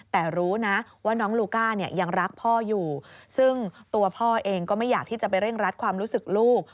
แต่รู้นะว่าน้องลูก้าเนี่ยยังรักพ่ออยู่ซึ่งตัวพ่อเองก็ไม่อยากที่จะไปเร่งรัดความรู้สึกลูก